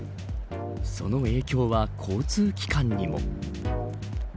その影響は交通機関にも。